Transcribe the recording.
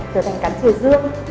trở thành cắn chìa dương